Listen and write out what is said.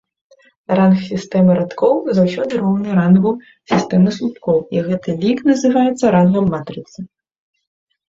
Ранг сістэмы радкоў заўсёды роўны рангу сістэмы слупкоў, і гэты лік называецца рангам матрыцы.